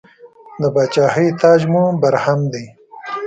د پاچاهۍ تاج مو برهم دی.